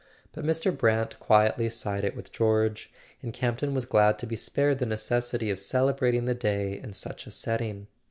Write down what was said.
But Mr. Brant quietly sided with George; and Campton was glad to be spared the necessity of celebrating the day in such a setting.